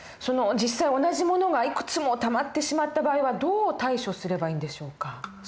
実際同じ物がいくつもたまってしまった場合はどう対処すればいいんでしょうか？